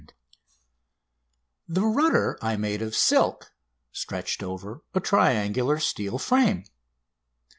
] The rudder I made of silk, stretched over a triangular steel frame.